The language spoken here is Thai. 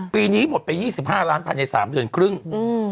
ปีนี้หมดไปยี่สิบห้าล้านภายในสามเดือนครึ่งอืม